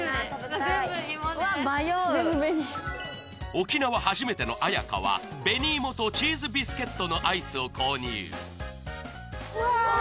沖縄初めてのＡＹＡＫＡは紅いもとチーズビスケットのアイスを購入うわ。